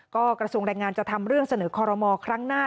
ก็กระทรวงแรงงานจะทำเรื่องเสนอคอรมอลครั้งหน้า